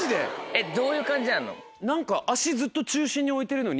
えっどういう感じなの？